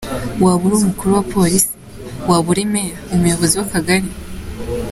Waba uri Umukuru wa Polisi, waba uri Meya, umuyobozi w’akagari.